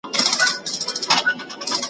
نه مو اختر نه مو خوښي نه مو باران ولیدی ,